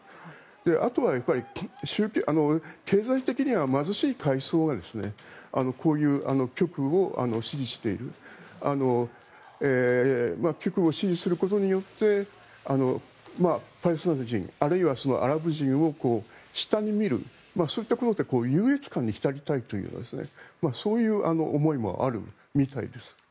あとは経済的には貧しい階層がこういう極右を支持している極右を支持することによってパレスチナ人あるいはアラブ人を下に見る、そういったことで優越感に浸りたいというようなそういう思いもあるみたいです。